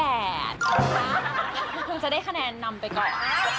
มันคงจะได้คะแนนนำไปก่อน